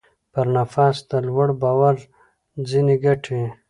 پر نفس د لوړ باور ځينې ګټې.